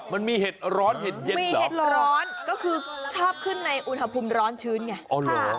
เห็ดร้อนเห็ดเย็นมีเห็ดร้อนก็คือชอบขึ้นในอุณหภูมิร้อนชื้นไง